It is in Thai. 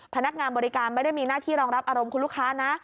พนักงานบริการไม่ได้มีหน้าที่รองรับอารมณ์คุณลูกค้านะ